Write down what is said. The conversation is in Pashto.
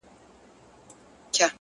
ما تاته د پرون د خوب تعبير پر مخ گنډلی”